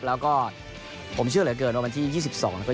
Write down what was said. แล้วก็ผมเชื่อเหลือเกินว่าวันที่๒๒นะครับ